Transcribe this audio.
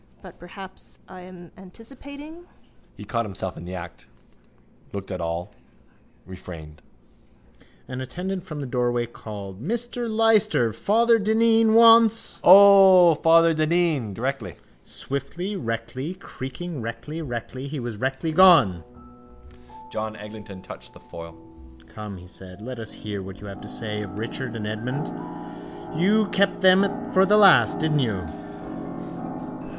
But perhaps I am anticipating? He caught himself in the act: looked at all: refrained. An attendant from the doorway called: —Mr Lyster! Father Dineen wants... —O, Father Dineen! Directly. Swiftly rectly creaking rectly rectly he was rectly gone. John Eglinton touched the foil. —Come, he said. Let us hear what you have to say of Richard and Edmund. You kept them for the last, didn't you?